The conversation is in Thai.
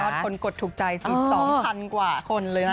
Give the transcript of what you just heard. ยอดคนกดถูกใจสิบสองพันกว่าคนเลยนะ